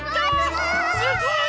わすごい！